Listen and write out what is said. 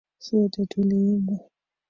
Sote tuliimba.